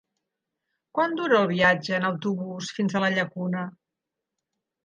Quant dura el viatge en autobús fins a la Llacuna?